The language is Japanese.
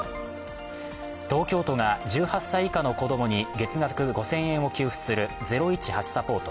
東京都が１８歳以下の子供に月額５０００円を給付する０１８サポート。